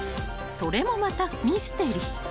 ［それもまたミステリー］